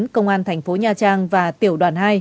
công an thành phố nha trang và tiểu đoàn hai